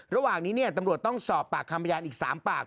ระหว่างนี้ตำรวจต้องสอบปากคำพยานอีก๓ปาก